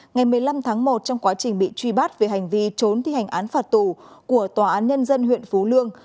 ngày một mươi năm tháng một trong quá trình bị truy bắt về hành vi trốn thi hành án phạt tù của tòa án nhân dân huyện phú lương